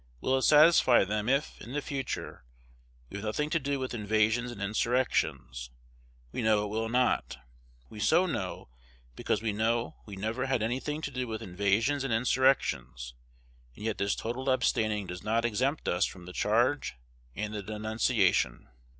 Will it satisfy them if, in the future, we have nothing to do with invasions and insurrections? We know it will not. We so know because we know we never had any thing to do with invasions and insurrections; and yet this total abstaining does not exempt us from the charge and the denunciation.